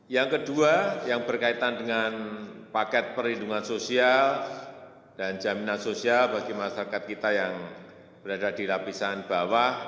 yang kedua yang berkaitan dengan paket perlindungan sosial dan jaminan sosial bagi masyarakat kita yang berada di lapisan bawah